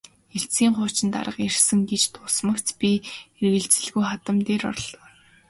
Хэлтсийн хуучин дарга ирсэн гэж дуулмагц би эргэлзэлгүй хадам дээр орлоо.